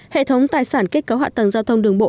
hệ thống tài sản kết cấu hạ tầng giao thông đường bộ